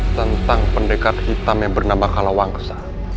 tentang pendekat hitam yang bernama kalawangsa